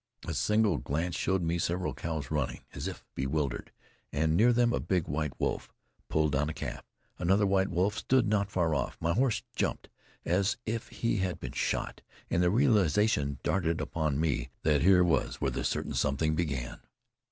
A single glance showed me several cows running as if bewildered, and near them a big white wolf pulling down a calf. Another white wolf stood not far off. My horse jumped as if he had been shot; and the realization darted upon me that here was where the certain something began.